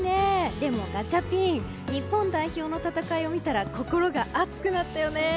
でも、ガチャピン日本代表の戦いを見たら心が熱くなったよね。